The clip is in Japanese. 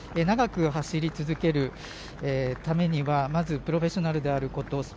長く走り続けるためには、まずプロフェッショナルであること。